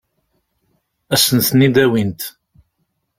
Ad sen-ten-id-awint?